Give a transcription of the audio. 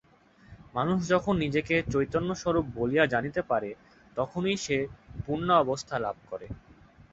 মানুষ যখন নিজেকে চৈতন্যস্বরূপ বলিয়া জানিতে পারে, তখনই সে পূর্ণাবস্থা লাভ করে।